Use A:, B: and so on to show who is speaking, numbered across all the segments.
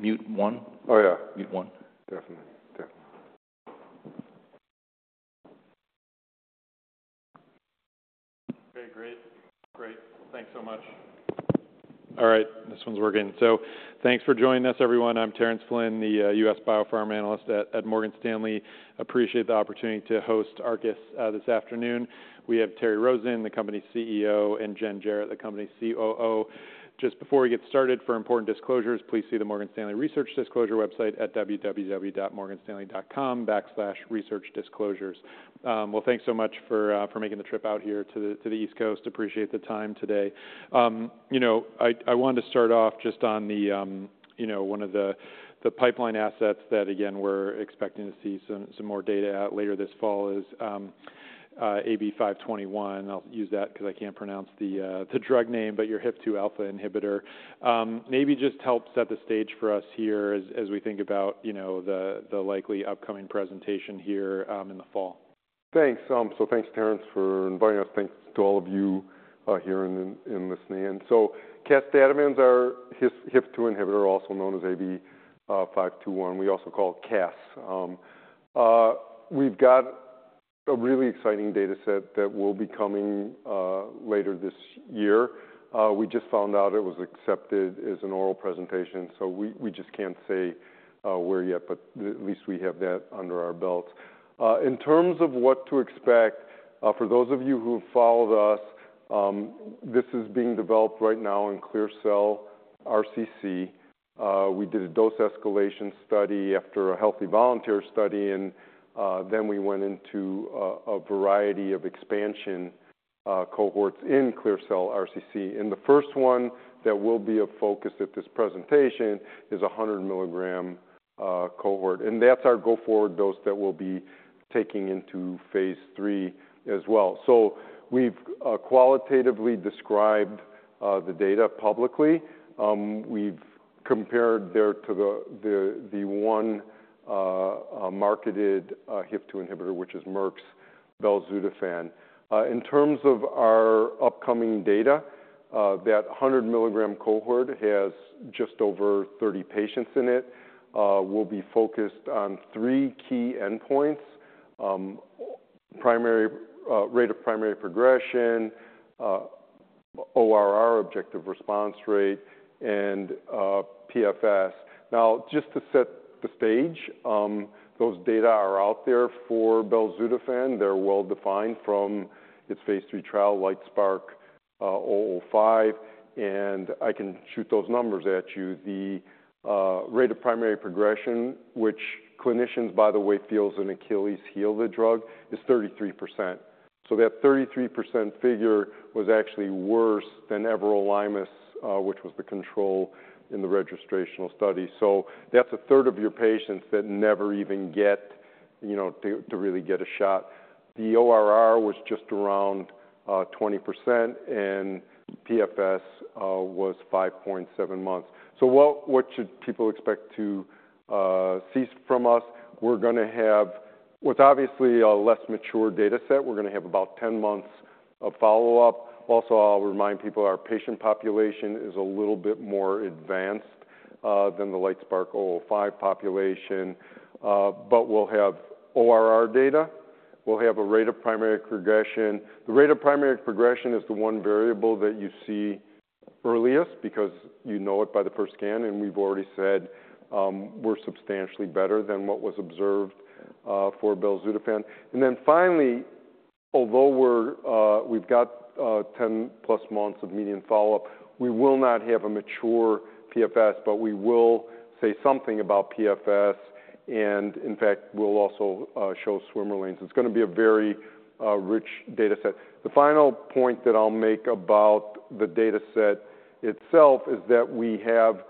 A: Mute one?
B: Oh, yeah.
A: Mute one.
B: Definitely. Definitely.
A: Okay, great. Thanks so much. All right, this one's working. So thanks for joining us, everyone. I'm Terence Flynn, the US Biopharma Analyst at Morgan Stanley. Appreciate the opportunity to host Arcus this afternoon. We have Terry Rosen, the company's CEO, and Jen Jarrett, the company's COO. Just before we get started, for important disclosures, please see the Morgan Stanley Research Disclosure website at www.morganstanley.com/researchdisclosures. Well, thanks so much for making the trip out here to the East Coast. Appreciate the time today. You know, I wanted to start off just on the pipeline assets that, again, we're expecting to see some more data out later this fall is AB521. I'll use that because I can't pronounce the drug name, but your HIF-2alpha inhibitor. Maybe just help set the stage for us here as we think about, you know, the likely upcoming presentation here, in the fall.
B: Thanks. So thanks, Terence, for inviting us. Thanks to all of you here and listening in. So Casdatifan is a HIF-2 inhibitor, also known as AB521. We also call it Cas. We've got a really exciting data set that will be coming later this year. We just found out it was accepted as an oral presentation, so we just can't say where yet, but at least we have that under our belt. In terms of what to expect, for those of you who have followed us, this is being developed right now in clear cell RCC. We did a dose escalation study after a healthy volunteer study, and then we went into a variety of expansion cohorts in clear cell RCC. The first one that will be a focus at this presentation is a 100 mg cohort, and that's our go-forward dose that we'll be taking into phase III as well. We've qualitatively described the data publicly. We've compared there to the one marketed HIF-2 inhibitor, which is Merck's belzutifan. In terms of our upcoming data, that 100 mg cohort has just over 30 patients in it, will be focused on three key endpoints, primary rate of primary progression, ORR, objective response rate, and PFS. Now, just to set the stage, those data are out there for belzutifan. They're well-defined from its phase III trial, LITESPARK-005, and I can shoot those numbers at you. The rate of primary progression, which clinicians, by the way, feels an Achilles heel of the drug, is 33%. So that 33% figure was actually worse than everolimus, which was the control in the registrational study. So that's a third of your patients that never even get, you know, to really get a shot. The ORR was just around 20%, and PFS was 5.7 months. So what should people expect to see from us? We're gonna have what's obviously a less mature data set. We're gonna have about 10 months of follow-up. Also, I'll remind people, our patient population is a little bit more advanced than the LITESPARK-005 population. But we'll have ORR data. We'll have a rate of primary progression. The rate of primary progression is the one variable that you see earliest because you know it by the first scan, and we've already said we're substantially better than what was observed for belzutifan. And then finally, although we've got 10+ months of median follow-up, we will not have a mature PFS, but we will say something about PFS, and in fact, we'll also show swimmer lanes. It's gonna be a very rich data set. The final point that I'll make about the data set itself is that we have,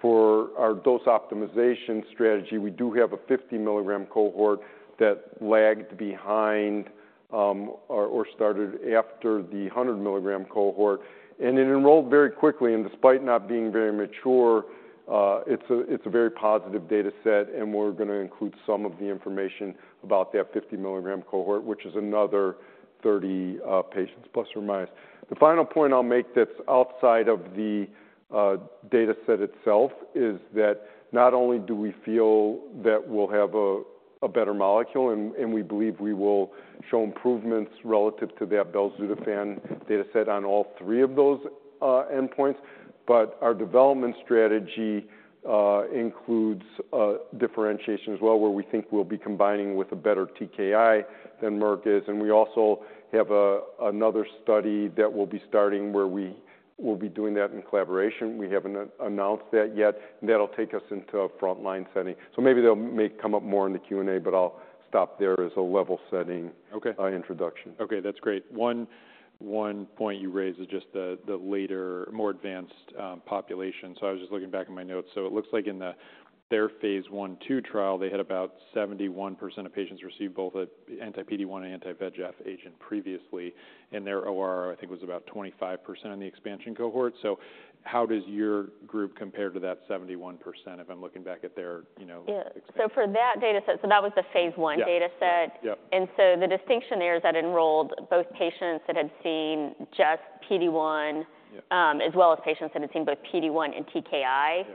B: for our dose optimization strategy, we do have a 50 mg cohort that lagged behind, or started after the 100 mg cohort, and it enrolled very quickly. And despite not being very mature, it's a very positive data set, and we're gonna include some of the information about that 50 mg cohort, which is another 30 patients, plus or minus. The final point I'll make that's outside of the data set itself is that not only do we feel that we'll have a better molecule, and we believe we will show improvements relative to that belzutifan data set on all three of those endpoints, but our development strategy includes differentiation as well, where we think we'll be combining with a better TKI than Merck is. And we also have another study that we'll be starting, where we will be doing that in collaboration. We haven't announced that yet. That'll take us into a frontline setting. So maybe they may come up more in the Q&A, but I'll stop there as a level-setting.
A: Okay.
B: Uh, introduction.
A: Okay, that's great. One point you raised is just the later, more advanced population. So I was just looking back at my notes. So it looks like in their phase I, II trial, they had about 71% of patients receive both an anti-PD-1 and anti-VEGF agent previously, and their ORR, I think, was about 25% in the expansion cohort. So how does your group compare to that 71%, if I'm looking back at their, you know.
C: Yeah, so for that data set, so that was the phase I data set.
A: Yeah. Yep.
C: The distinction there is that enrolled both patients that had seen just PD-1, as well as patients that have seen both PD-1 and TKI.
A: Yeah.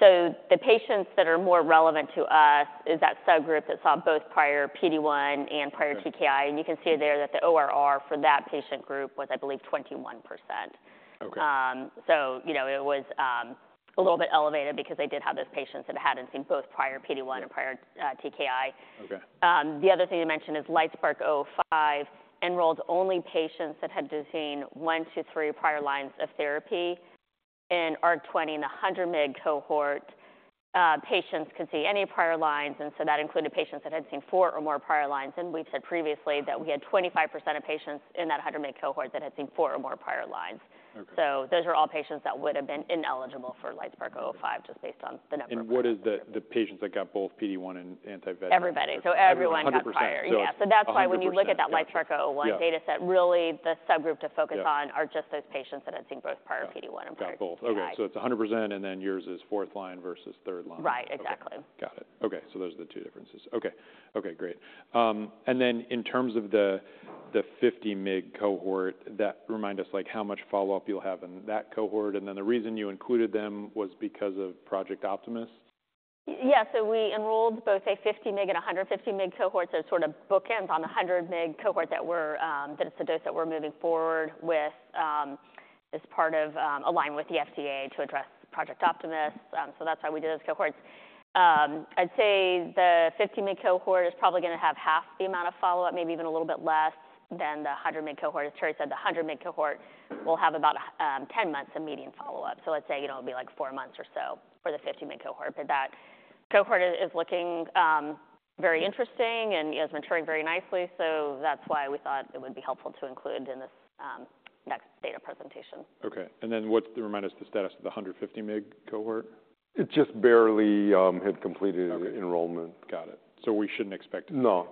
C: So the patients that are more relevant to us is that subgroup that saw both prior PD-1 and prior.
A: Okay..TKI, and you can see there that the ORR for that patient group was, I believe, 21%. Okay.
C: You know, it was a little bit elevated because they did have those patients that hadn't seen both prior PD-1.
A: Yeah
C: Or prior, TKI.
A: Okay.
C: The other thing to mention is LITESPARK-005 enrolled only patients that had just seen one to three prior lines of therapy, and ARC-20 and 100 mg cohort, patients could see any prior lines, and so that included patients that had seen four or more prior lines. We've said previously that we had 25% of patients in that 100 mg cohort that had seen four or more prior lines.
A: Okay.
C: So those are all patients that would have been ineligible for LITESPARK-005, just based on the number of.
A: What is the patients that got both PD-1 and anti-VEGF?
C: Everybody, so everyone.
A: 100%.
C: Yeah.
A: 100%.
C: So that's why when you look at that LITESPARK-001.
A: Yeah.
C: Dataset, really the subgroup to focus on.
A: Yeah.
C: Are just those patients that have seen both prior PD-1 and prior TKI.
A: Got both. Okay, so it's 100%, and then yours is fourth line versus third line.
C: Right, exactly.
A: Got it. Okay, so those are the two differences. Okay. Okay, great. And then in terms of the 50 mg cohort, that, remind us, like, how much follow-up you'll have in that cohort, and then the reason you included them was because of Project Optimist?
C: Yes. So we enrolled both a 50 mg and a 150 mg cohort, so sort of bookend on the 100 mg cohort that we're, that it's the dose that we're moving forward with, as part of align with the FDA to address Project Optimist. So that's why we did those cohorts. I'd say the 50 mg cohort is probably gonna have half the amount of follow-up, maybe even a little bit less than the 100 mg cohort. As Terry said, the 100 mg cohort will have about 10 months of median follow-up. So let's say, you know, it'll be, like, four months or so for the 50 mg cohort. But that cohort is looking very interesting and is maturing very nicely, so that's why we thought it would be helpful to include in this next data presentation.
A: Okay, and then remind us the status of the 150 mg cohort?
B: It just barely had completed.
A: Okay.
B: Enrollment.
A: Got it. So we shouldn't expect it?
B: No,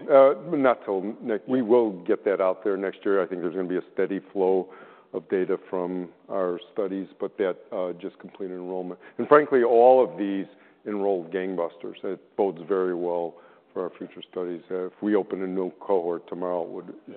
B: not till next. We will get that out there next year. I think there's gonna be a steady flow of data from our studies, but that just completed enrollment. And frankly, all of these enrolled gangbusters. It bodes very well for our future studies. If we open a new cohort tomorrow, would.
A: Yeah.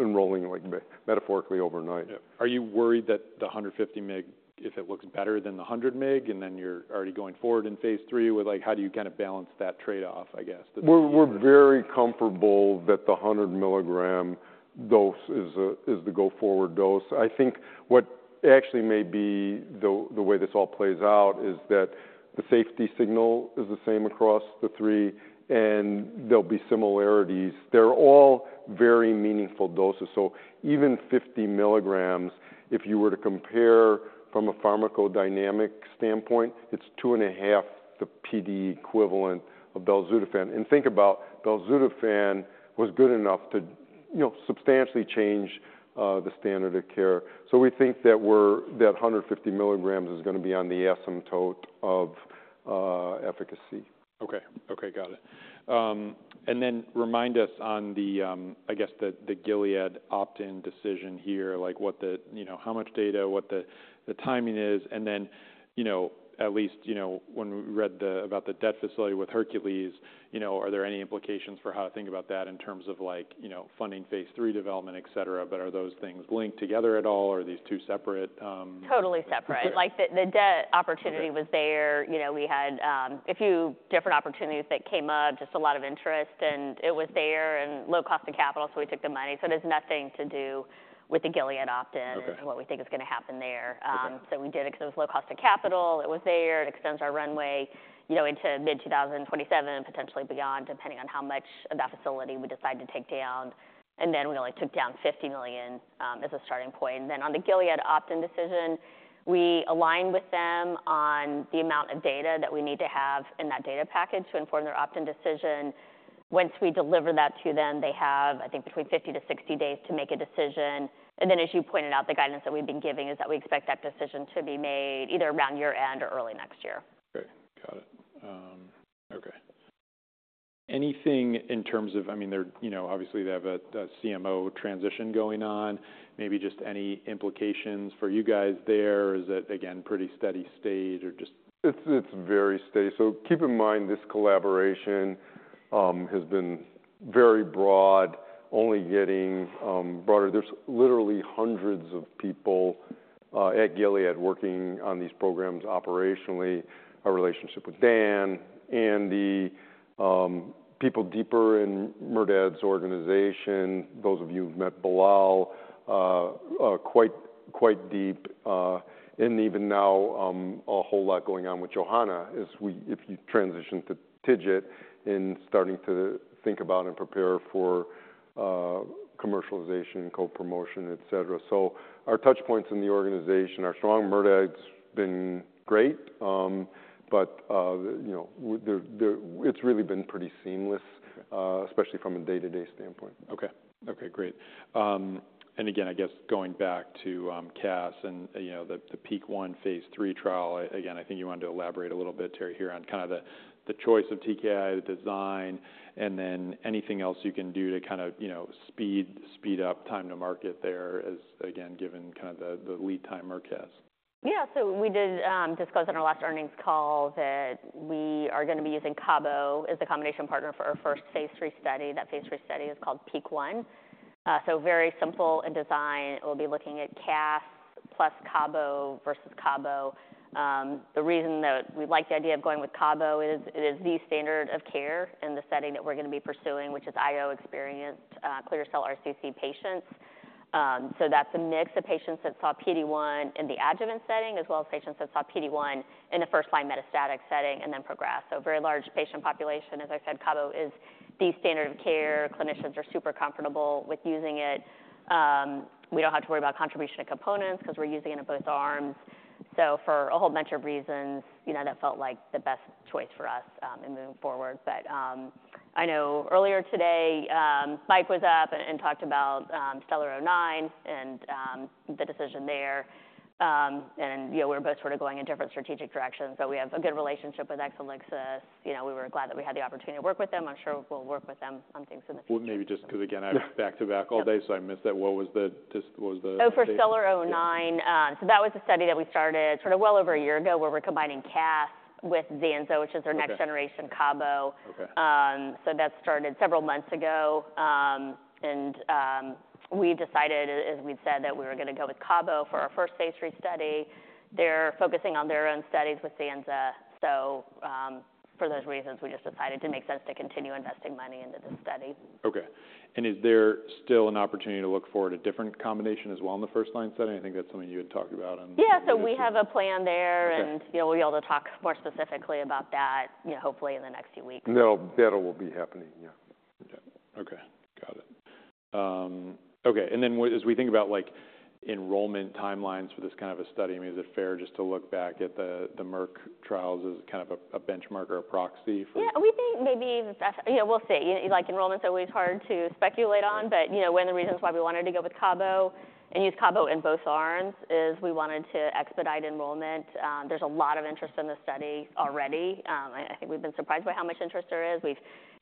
B: Enrolling, like, metaphorically overnight.
A: Yeah. Are you worried that the 150 mg, if it looks better than the 100 mg, and then you're already going forward in phase III, with, like, how do you kind of balance that trade-off, I guess.
B: We're very comfortable that the 100 mg dose is the go-forward dose. I think what actually may be the way this all plays out is that the safety signal is the same across the three, and there'll be similarities. They're all very meaningful doses. So even 50 mg, if you were to compare from a pharmacodynamic standpoint, it's two and a half the PDE equivalent of belzutifan. And think about belzutifan was good enough to, you know, substantially change the standard of care. So we think that we're that 150 mg is gonna be on the asymptote of efficacy.
A: Okay. Okay, got it. And then remind us on the, I guess, the, the Gilead opt-in decision here, like, what the, you know, how much data, what the, the timing is, and then, you know, at least, you know, when we read the, about the debt facility with Hercules, you know, are there any implications for how to think about that in terms of, like, you know, funding phase three development, et cetera? But are those things linked together at all, or are these two separate.
C: Totally separate.
A: Okay.
C: Like, the debt opportunity was there. You know, we had a few different opportunities that came up, just a lot of interest, and it was there and low cost of capital, so we took the money. So it has nothing to do with the Gilead opt-in.
A: Okay.
C: And what we think is gonna happen there.
A: Okay.
C: So we did it because it was low cost of capital, it was there, it extends our runway, you know, into mid-2027 and potentially beyond, depending on how much of that facility we decide to take down, and then we only took down $50 million as a starting point. And then on the Gilead opt-in decision, we aligned with them on the amount of data that we need to have in that data package to inform their opt-in decision. Once we deliver that to them, they have, I think, between 50 to 60 days to make a decision. And then, as you pointed out, the guidance that we've been giving is that we expect that decision to be made either around year-end or early next year.
A: Great. Got it. Okay. Anything in terms of, I mean, they're, you know, obviously, they have a CMO transition going on. Maybe just any implications for you guys there, or is it, again, pretty steady state or just.
B: It's very steady. So keep in mind, this collaboration has been very broad, only getting broader. There's literally hundreds of people at Gilead working on these programs operationally, our relationship with Dan and the people deeper in Merdad's organization, those of you who've met Bilal, quite deep. And even now, a whole lot going on with Johanna, as we transition to TIGIT and starting to think about and prepare for commercialization, co-promotion, et cetera. So our touch points in the organization are strong. Merdad's been great, but you know, it's really been pretty seamless, especially from a day-to-day standpoint.
A: Okay. Okay, great. And again, I guess going back to Cas and, you know, the PEAK-1 phase III trial, again, I think you wanted to elaborate a little bit, Terry, here, on kind of the choice of TKI, the design, and then anything else you can do to kind of, you know, speed up time to market there, as again, given kind of the lead time or Cas?
C: Yeah, so we did discuss on our last earnings call that we are gonna be using Cabo as the combination partner for our first phase III study. That phase III study is called PEAK-1. So very simple in design. We'll be looking at Cas plus Cabo versus Cabo. The reason that we like the idea of going with Cabo is it is the standard of care in the setting that we're gonna be pursuing, which is IO experienced clear cell RCC patients. So that's a mix of patients that saw PD-1 in the adjuvant setting, as well as patients that saw PD-1 in the first-line metastatic setting and then progressed. So a very large patient population. As I said, Cabo is the standard of care. Clinicians are super comfortable with using it. We don't have to worry about contribution of components 'cause we're using it in both arms, so for a whole bunch of reasons, you know, that felt like the best choice for us, in moving forward, but I know earlier today, Mike was up and talked about STELLAR-009 and the decision there, and you know, we're both sort of going in different strategic directions, but we have a good relationship with Exelixis. You know, we were glad that we had the opportunity to work with them. I'm sure we'll work with them on things in the future.
A: Maybe just 'cause, again, I was back to back all day, so I missed that. What was the.
C: Oh, for STELLAR-009.
A: Yeah.
C: So that was a study that we started sort of well over a year ago, where we're combining Cas with Zanza.
A: Okay.
C: Which is our next generation, Cabo.
A: Okay.
C: So that started several months ago. And we decided, as we've said, that we were gonna go with Cabo for our first phase III study. They're focusing on their own studies with Zanza, so, for those reasons, we just decided to make sense to continue investing money into this study.
A: Okay. And is there still an opportunity to look for a different combination as well in the first-line setting? I think that's something you had talked about on the.
C: Yeah, so we have a plan there.
A: Okay.
C: You know, we'll be able to talk more specifically about that, you know, hopefully in the next few weeks.
B: That all will be happening. Yeah.
A: Yeah. Okay, got it. Okay, and then what. As we think about, like, enrollment timelines for this kind of a study, I mean, is it fair just to look back at the Merck trials as kind of a benchmark or a proxy for-
C: Yeah, we think maybe that. Yeah, we'll see. You know, like, enrollment's always hard to speculate on, but, you know, one of the reasons why we wanted to go with Cabo and use Cabo in both arms is we wanted to expedite enrollment. There's a lot of interest in this study already. I think we've been surprised by how much interest there is. We've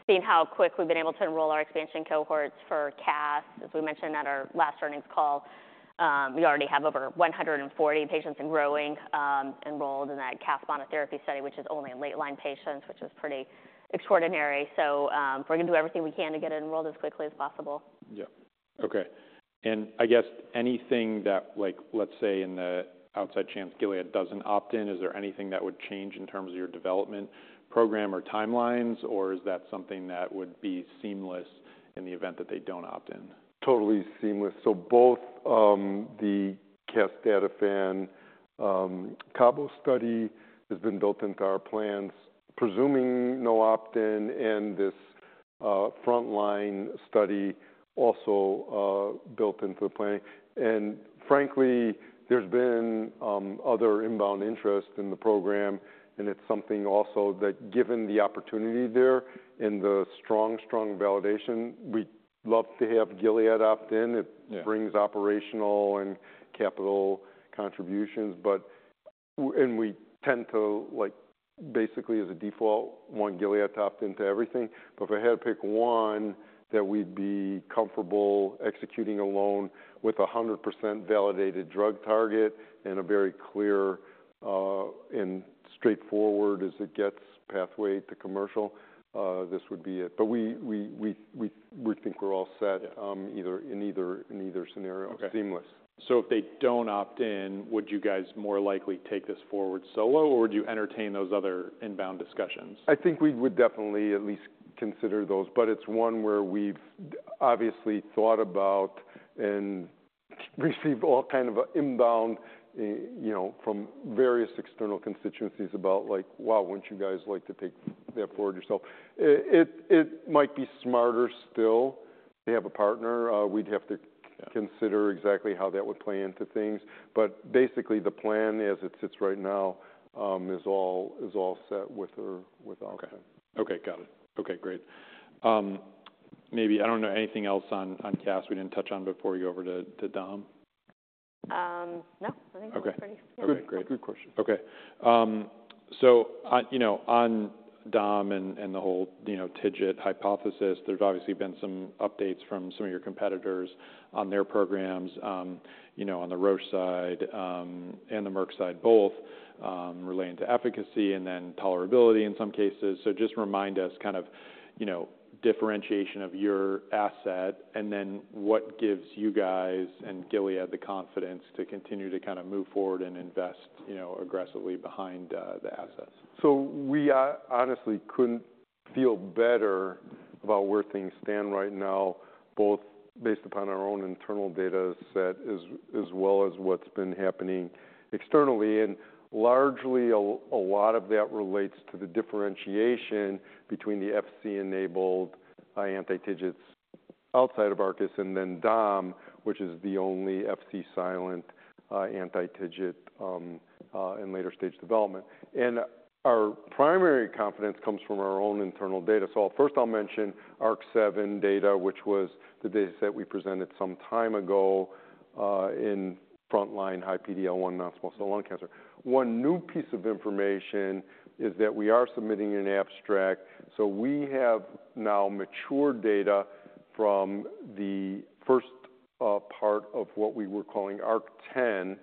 C: seen how quick we've been able to enroll our expansion cohorts for Cas. As we mentioned at our last earnings call, we already have over 140 patients and growing, enrolled in that Cas monotherapy study, which is only in late line patients, which is pretty extraordinary. So, we're gonna do everything we can to get it enrolled as quickly as possible.
A: Yeah. Okay. And I guess anything that, like, let's say, in the outside chance, Gilead doesn't opt-in, is there anything that would change in terms of your development program or timelines, or is that something that would be seamless in the event that they don't opt-in?
B: Totally seamless. So both, the Casdatifan Cabo study has been built into our plans, presuming no opt-in, and this frontline study also built into the plan. And frankly, there's been other inbound interest in the program, and it's something also that given the opportunity there and the strong, strong validation, we'd love to have Gilead opt-in.
A: Yeah.
B: It brings operational and capital contributions, but we tend to, like, basically, as a default, want Gilead opt-into everything. But if I had to pick one that we'd be comfortable executing alone with a 100% validated drug target and a very clear and straightforward as it gets pathway to commercial, this would be it. But we think we're all set.
A: Yeah.
B: In either scenario.
A: Okay.
B: Seamless.
A: So if they don't opt-in, would you guys more likely take this forward solo, or would you entertain those other inbound discussions? I think we would definitely at least consider those, but it's one where we've obviously thought about and received all kind of inbound, you know, from various external constituencies about, like, "Wow, wouldn't you guys like to take that forward yourself?" It might be smarter still to have a partner. We'd have to consider exactly how that would play into things. But basically, the plan as it sits right now is all set with or without them. Okay. Okay, got it. Okay, great. Maybe I don't know anything else on Cas we didn't touch on before we go over to Dom?
C: No, I think that's pretty.
A: Okay. Great, great.
B: Good question.
A: Okay. So on, you know, on Dom and the whole, you know, TIGIT hypothesis, there's obviously been some updates from some of your competitors on their programs, you know, on the Roche side, and the Merck side both, relating to efficacy and then tolerability in some cases. So just remind us kind of, you know, differentiation of your asset, and then what gives you guys and Gilead the confidence to continue to kind of move forward and invest, you know, aggressively behind the assets?
B: So we honestly couldn't feel better about where things stand right now, both based upon our own internal data set, as well as what's been happening externally. And largely, a lot of that relates to the differentiation between the Fc-enabled high anti-TIGITs outside of Arcus, and then Dom, which is the only Fc-silent anti-TIGIT in later stage development. And our primary confidence comes from our own internal data. So first, I'll mention ARC-7 data, which was the dataset we presented some time ago in front line high PD-L1 non-small cell lung cancer. One new piece of information is that we are submitting an abstract, so we have now mature data. from the first part of what we were calling ARC-10,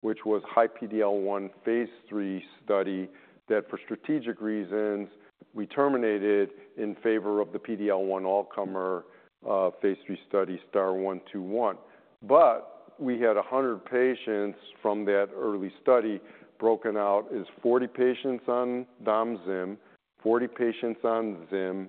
B: which was high PDL-1 phase III study, that for strategic reasons, we terminated in favor of the PDL-1 all-comer phase III study, STAR-121. But we had 100 patients from that early study, broken out as 40 patients on domzim, 40 patients on zim,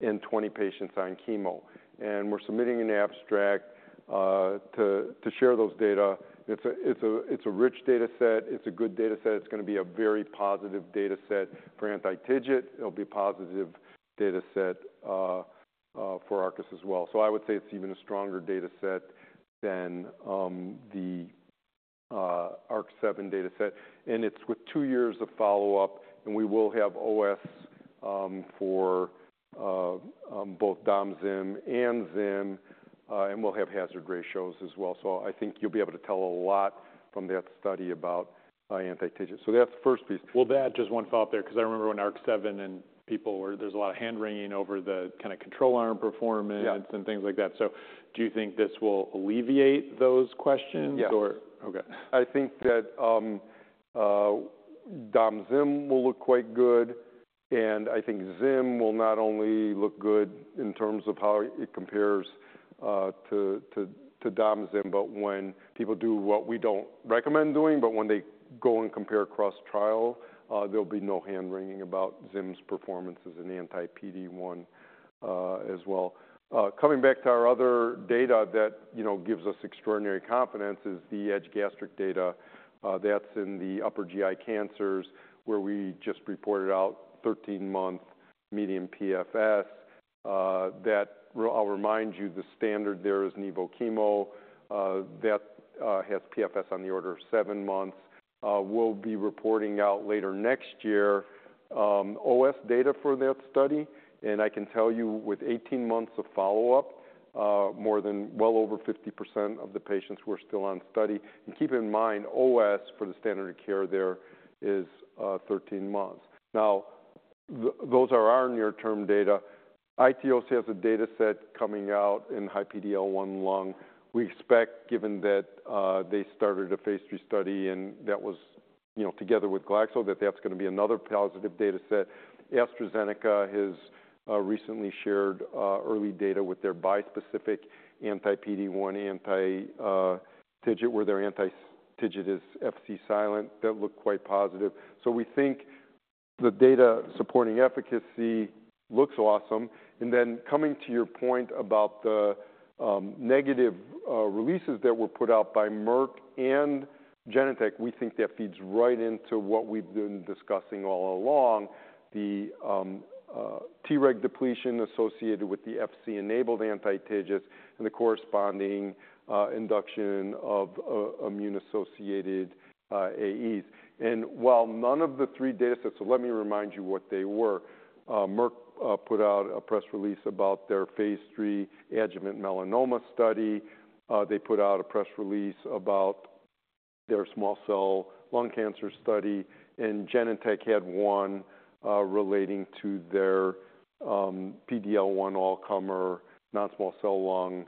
B: and 20 patients on chemo. And we're submitting an abstract to share those data. It's a rich data set. It's a good data set. It's gonna be a very positive data set for anti-TIGIT. It'll be a positive data set for ARCUS as well. So I would say it's even a stronger data set than the ARC-7 data set, and it's with two years of follow-up, and we will have OS for both domzim and zim, and we'll have hazard ratios as well. So I think you'll be able to tell a lot from that study about anti-TIGIT. So that's the first piece.
A: That's just one thought there, 'cause I remember when ARC-7 and people were, there was a lot of hand-wringing over the kinda control arm performance.
B: Yeah.
A: And things like that. So do you think this will alleviate those questions?
B: Yes.
A: Or, okay.
B: I think that domzim will look quite good, and I think zim will not only look good in terms of how it compares to domzim, but when people do what we don't recommend doing, but when they go and compare across trial, there'll be no hand-wringing about zim's performance as an anti-PD-1, as well. Coming back to our other data that you know gives us extraordinary confidence is the Arcus gastric data. That's in the upper GI cancers, where we just reported out thirteen-month median PFS. That, I'll remind you, the standard there is nivo chemo that has PFS on the order of seven months. We'll be reporting out later next year, OS data for that study, and I can tell you with 18 months of follow-up, more than well over 50% of the patients were still on study, and keep in mind, OS for the standard of care there is, 13 months. Now, those are our near-term data. ARC-10 has a data set coming out in high PD-L1 lung. We expect, given that, they started a phase III study and that was, you know, together with Glaxo, that that's gonna be another positive data set. AstraZeneca has, recently shared, early data with their bispecific anti-PD-1, anti-TIGIT, where their anti-TIGIT is Fc-silent. That looked quite positive. So we think the data supporting efficacy looks awesome. Then coming to your point about the negative releases that were put out by Merck and Genentech, we think that feeds right into what we've been discussing all along, the T-reg depletion associated with the Fc-enabled anti-TIGIT and the corresponding induction of immune-associated AEs. While none of the three datasets. So let me remind you what they were. Merck put out a press release about their phase III adjuvant melanoma study. They put out a press release about their small cell lung cancer study, and Genentech had one relating to their PD-L1 all-comer, non-small cell lung,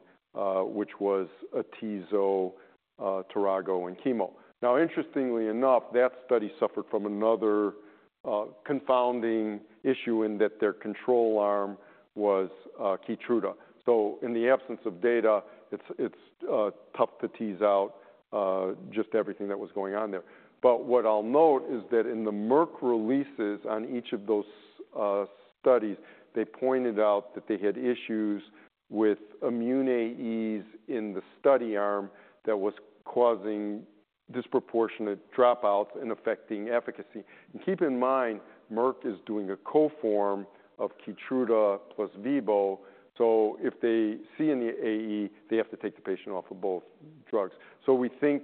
B: which was atezo, Tirago, and chemo. Now, interestingly enough, that study suffered from another confounding issue in that their control arm was Keytruda. So in the absence of data, it's tough to tease out just everything that was going on there. But what I'll note is that in the Merck releases on each of those studies, they pointed out that they had issues with immune AEs in the study arm that was causing disproportionate dropouts and affecting efficacy. And keep in mind, Merck is doing a co-form of Keytruda plus Vibo, so if they see any AE, they have to take the patient off of both drugs. So we think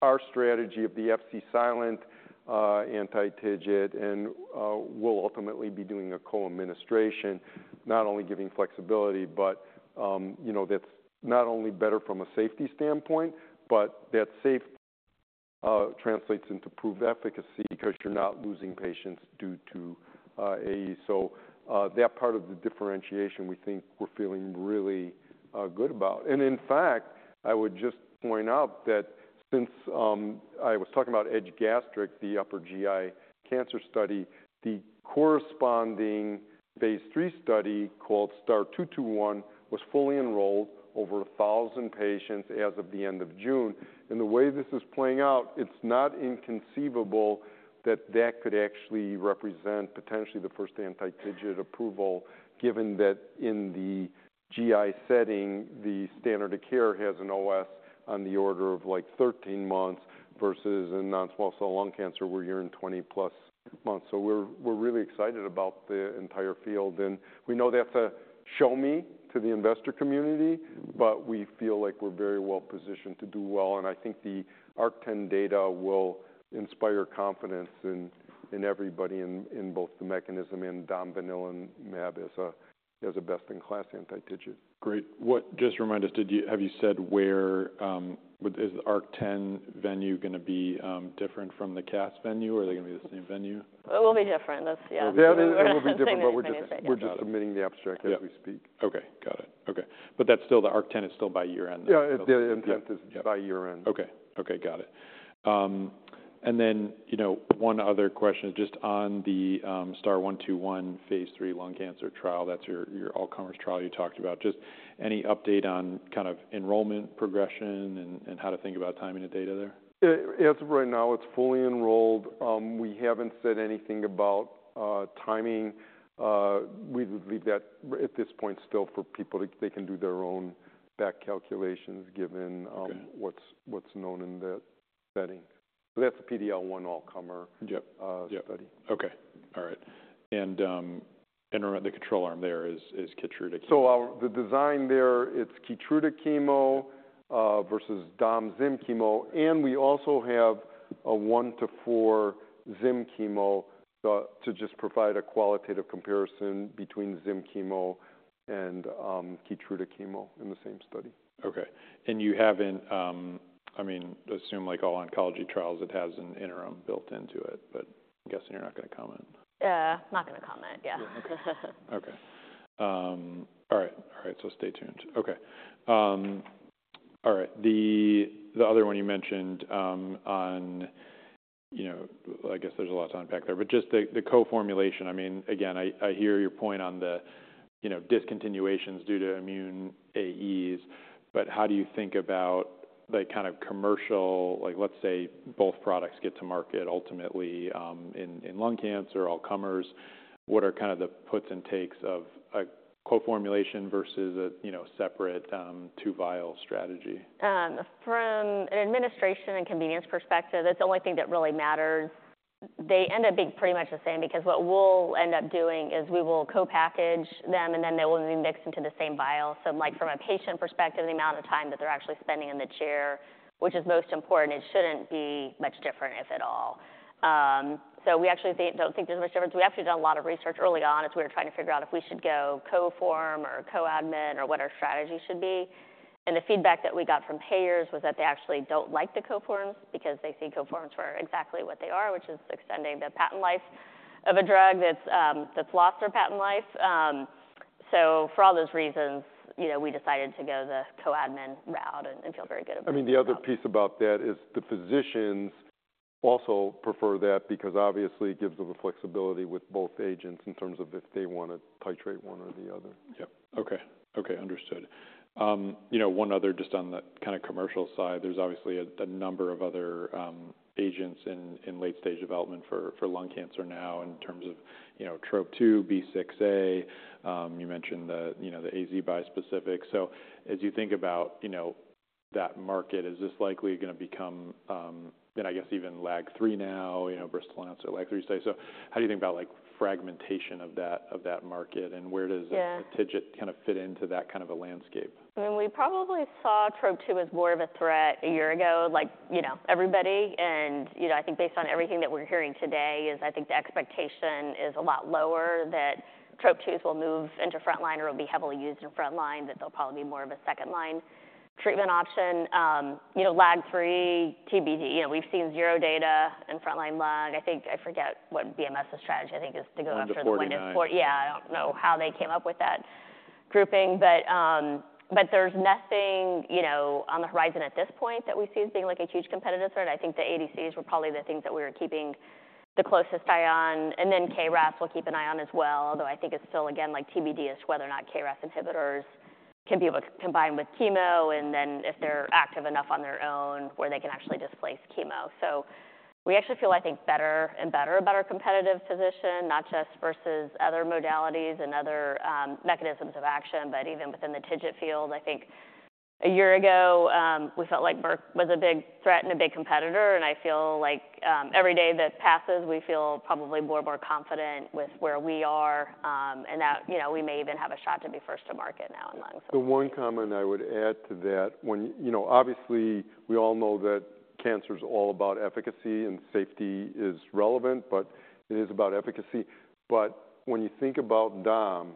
B: our strategy of the Fc-silent anti-TIGIT, and we'll ultimately be doing a co-administration, not only giving flexibility, but you know, that's not only better from a safety standpoint, but that safe translates into improved efficacy because you're not losing patients due to AE. So, that part of the differentiation we think we're feeling really good about. And in fact, I would just point out that since I was talking about esophagogastric, the upper GI cancer study, the corresponding phase III study, called STAR-221, was fully enrolled over 1,000 patients as of the end of June. And the way this is playing out, it's not inconceivable that that could actually represent potentially the first anti-TIGIT approval, given that in the GI setting, the standard of care has an OS on the order of, like, 13 months versus in non-small cell lung cancer, where you're in 20+ months. So we're really excited about the entire field, and we know that's a show me to the investor community, but we feel like we're very well positioned to do well. And I think the ARC-10 data will inspire confidence in everybody in both the mechanism and domvanalimab as a best-in-class anti-TIGIT.
A: Great. Just remind us, have you said where is the ARC-10 venue gonna be different from the Cas venue, or are they gonna be the same venue?
C: It will be different. That's, yeah.
B: It will be different, but we're just.
A: Got it.
B: We're just submitting the abstract as we speak.
A: Okay, got it. Okay, but that's still the ARC-10 is still by year-end?
B: Yeah, the intent is.
A: Yeah.
B: By year-end.
A: Okay. Okay, got it. And then, you know, one other question just on the STAR-121 phase III lung cancer trial, that's your, your all comers trial you talked about. Just any update on kind of enrollment progression and, and how to think about timing of data there?
B: As of right now, it's fully enrolled. We haven't said anything about timing. We would leave that at this point still, for people to. They can do their own back calculations, given what's known in that setting. So that's a PD-L1 all-comer.
A: Yep, yep.
B: Uh, study.
A: Okay. All right, and the control arm there is Keytruda.
B: The design there, it's Keytruda chemo versus dom zim chemo, and we also have a one to four zim chemo to just provide a qualitative comparison between zim chemo and Keytruda chemo in the same study.
A: Okay, and you haven't, I mean, assume, like all oncology trials, it has an interim built into it, but I'm guessing you're not going to comment.
C: Not going to comment. Yeah.
A: Okay. All right. So stay tuned. Okay. All right. The other one you mentioned, on, you know, I guess there's a lot to unpack there, but just the co-formulation. I mean, again, I hear your point on the discontinuations due to immune AEs, but how do you think about the kind of commercial. Like, let's say both products get to market ultimately, in lung cancer, all comers, what are kind of the puts and takes of a co-formulation versus a separate two-vial strategy?
C: From an administration and convenience perspective, that's the only thing that really matters. They end up being pretty much the same, because what we'll end up doing is we will co-package them, and then they will be mixed into the same vial. So, like, from a patient perspective, the amount of time that they're actually spending in the chair, which is most important, it shouldn't be much different, if at all. So we actually don't think there's much difference. We've actually done a lot of research early on as we were trying to figure out if we should go co-form or co-admin or what our strategy should be. The feedback that we got from payers was that they actually don't like the co-forms, because they see co-forms for exactly what they are, which is extending the patent life of a drug that's lost their patent life. So for all those reasons, you know, we decided to go the co-admin route and feel very good about it.
B: I mean, the other piece about that is the physicians also prefer that because obviously it gives them the flexibility with both agents in terms of if they want to titrate one or the other.
A: Yep. Okay. Okay, understood. You know, one other just on the kind of commercial side, there's obviously a number of other agents in late stage development for lung cancer now in terms of, you know, TROP-2, B7-H3. You mentioned the, you know, the AZ bispecific. So as you think about, you know, that market, is this likely going to become, then I guess even LAG-3 now, you know, Bristol announced their LAG-3 today. So how do you think about, like, fragmentation of that market, and where does.
C: Yeah.
A: TIGIT kind of fit into that kind of a landscape?
C: I mean, we probably saw TROP-2 as more of a threat a year ago, like, you know, everybody. And, you know, I think based on everything that we're hearing today is I think the expectation is a lot lower, that TROP-2s will move into frontline or will be heavily used in frontline, that they'll probably be more of a second line treatment option. You know, LAG-3, TBD. You know, we've seen zero data in frontline lung. I think, I forget what BMS's strategy, I think, is to go after the.
B: The 49.
C: Yeah, I don't know how they came up with that grouping, but, but there's nothing, you know, on the horizon at this point that we see as being, like, a huge competitive threat. I think the ADCs were probably the things that we were keeping the closest eye on, and then KRAS will keep an eye on as well, although I think it's still, again, like TBD, as to whether or not KRAS inhibitors can be able to combine with chemo, and then if they're active enough on their own, where they can actually displace chemo. So we actually feel, I think, better and better about our competitive position, not just versus other modalities and other mechanisms of action, but even within the TIGIT field. I think a year ago, we felt like Merck was a big threat and a big competitor, and I feel like, every day that passes, we feel probably more and more confident with where we are, and that, you know, we may even have a shot to be first to market now in lung.
B: The one comment I would add to that. You know, obviously, we all know that cancer is all about efficacy, and safety is relevant, but it is about efficacy, but when you think about dom,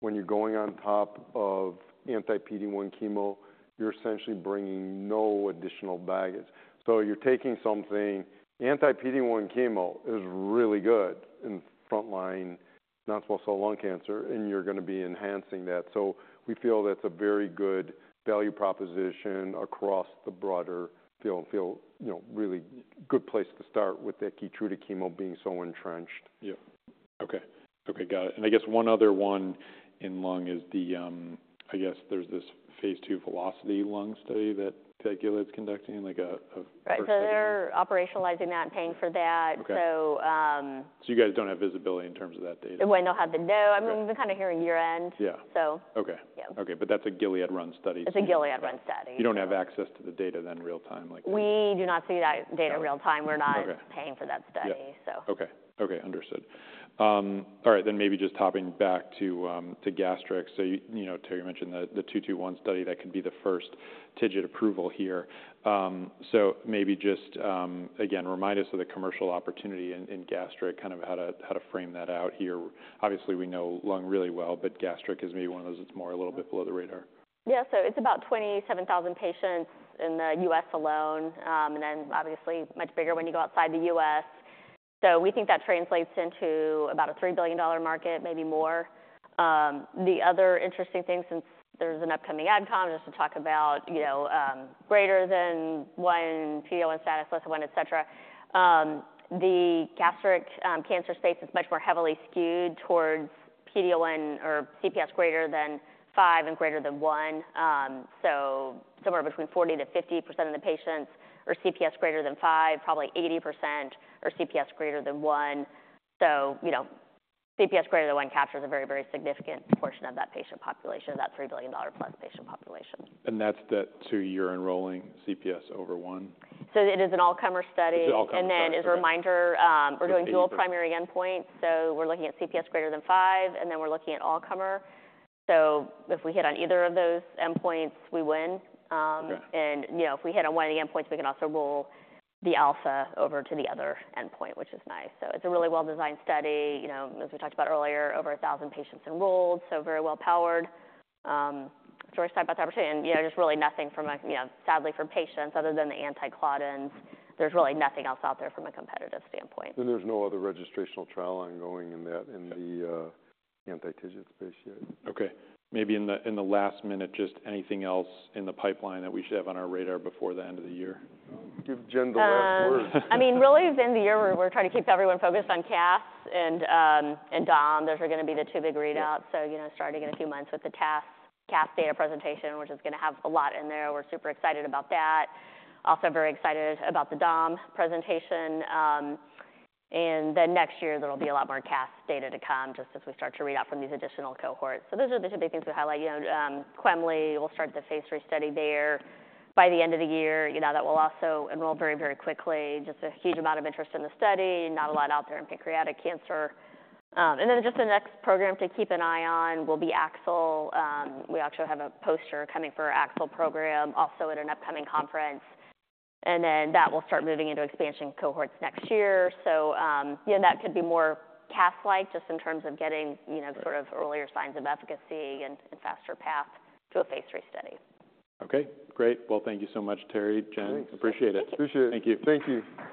B: when you're going on top of anti-PD-1 chemo, you're essentially bringing no additional baggage. So you're taking something. Anti-PD-1 chemo is really good in frontline non-small cell lung cancer, and you're going to be enhancing that. So we feel that's a very good value proposition across the broader field. You know, really good place to start with the Keytruda chemo being so entrenched.
A: Yeah. Okay. Okay, got it. And I guess one other one in lung is the, I guess there's this phase II VELOCITY-Lung study that Gilead's conducting, like a-
C: Right. So they're operationalizing that and paying for that.
A: Okay.
C: So, um.
A: So you guys don't have visibility in terms of that data?
C: No, I mean, we've been kind of hearing year-end.
A: Yeah.
C: So.
A: Okay.
C: Yeah.
A: Okay, but that's a Gilead-run study?
C: It's a Gilead-run study.
A: You don't have access to the data then, real time, like.
C: We do not see that data real time.
A: Okay.
C: We're not paying for that study.
A: Yeah
C: So.
A: Okay. Okay, understood. All right, then maybe just hopping back to gastric. So you know, Terry, you mentioned the 221 study that could be the first TIGIT approval here. So maybe just again remind us of the commercial opportunity in gastric, kind of how to frame that out here. Obviously, we know lung really well, but gastric is maybe one of those that's more a little bit below the radar.
C: Yeah, so it's about 27,000 patients in the U.S. alone, and then obviously much bigger when you go outside the U.S. So we think that translates into about a $3 billion market, maybe more. The other interesting thing, since there's an upcoming ad comm, just to talk about, you know, greater than one PD-L1 status, less than one, et cetera. The gastric cancer space is much more heavily skewed towards PD-L1 one or CPS greater than five and greater than one. So, somewhere between 40%-50% of the patients are CPS greater than five, probably 80% are CPS greater than one. So, you know, CPS greater than one captures a very, very significant portion of that patient population, of that $3+ billion patient population.
A: And that's that, so you're enrolling CPS over one?
C: It is an all-comer study.
B: It's an all-comer study.
C: And then as a reminder, we're doing dual primary endpoints, so we're looking at CPS greater than five, and then we're looking at all-comer. So if we hit on either of those endpoints, we win.
A: Okay.
C: And, you know, if we hit on one of the endpoints, we can also roll the alpha over to the other endpoint, which is nice. So it's a really well-designed study. You know, as we talked about earlier, over 1,000 patients enrolled, so very well-powered. So we talked about the opportunity, and, you know, just really nothing from a, you know, sadly for patients, other than the anti-claudins, there's really nothing else out there from a competitive standpoint.
B: Then there's no other registrational trial ongoing in that, in the anti-TIGIT space yet.
A: Okay. Maybe in the last minute, just anything else in the pipeline that we should have on our radar before the end of the year?
B: Give Jen the last word.
C: I mean, really, it's been the year where we're trying to keep everyone focused on Cas and Dom. Those are going to be the two big readouts. So, you know, starting in a few months with the Cas, Cas data presentation, which is going to have a lot in there. We're super excited about that. Also very excited about the DOM presentation, and then next year, there'll be a lot more Cas data to come, just as we start to read out from these additional cohorts. So those are the two big things to highlight. You know, Quemli, we'll start the phase III study there by the end of the year. You know, that will also enroll very, very quickly. Just a huge amount of interest in the study, not a lot out there in pancreatic cancer, and then just the next program to keep an eye on will be AXL. We actually have a poster coming for our AXL program, also at an upcoming conference, and then that will start moving into expansion cohorts next year. So, yeah, that could be more CAS-like, just in terms of getting, you know.
A: Right.
C: Sort of earlier signs of efficacy and a faster path to a phase III study.
A: Okay, great. Well, thank you so much, Terry, Jen.
B: Thanks.
A: Appreciate it.
C: Thank you.
B: Appreciate it.
A: Thank you.
B: Thank you.